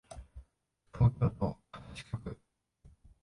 東京都葛飾区